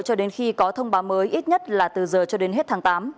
cho đến khi có thông báo mới ít nhất là từ giờ cho đến hết tháng tám